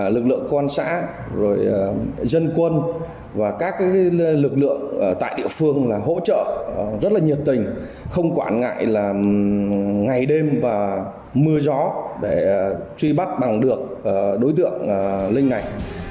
lực lượng quân xã dân quân và các lực lượng tại địa phương hỗ trợ rất là nhiệt tình không quản ngại ngày đêm và mưa gió để truy bắt bằng được đối tượng linh này